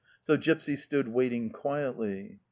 So Gipsy stood waiting quietly.